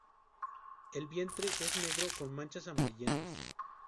El vientre es negro con manchas amarillentas.